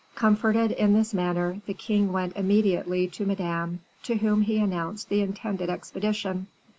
Comforted in this manner, the king went immediately to Madame, to whom he announced the intended expedition.